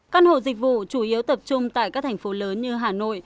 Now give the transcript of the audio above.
căn hộ dịch vụ chủ yếu tập trung tại các thành phố lớn như hà nội